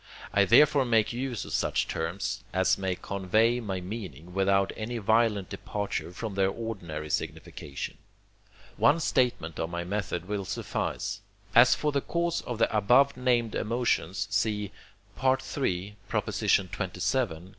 I therefore make use of such terms, as may convey my meaning without any violent departure from their ordinary signification. One statement of my method will suffice. As for the cause of the above named emotions see III. xxvii.